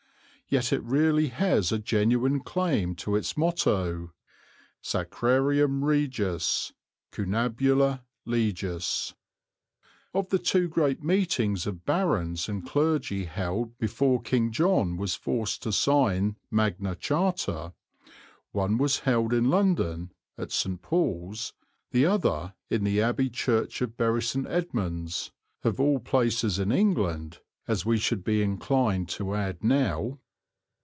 Yet it really has a genuine claim to its motto: Sacrarium regis, cunabula legis. Of the two great meetings of barons and clergy held before King John was forced to sign Magna Charta, one was held in London, at St. Paul's, the other in the Abbey Church of Bury St. Edmunds, of all places in England, as we should be inclined to add now.